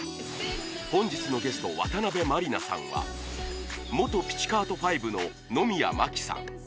本日のゲスト渡辺満里奈さんは元ピチカート・ファイヴの野宮真貴さん